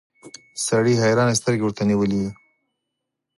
سړي حيرانې سترګې ورته نيولې وې.